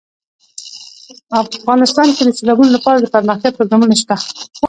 افغانستان کې د سیلابونه لپاره دپرمختیا پروګرامونه شته.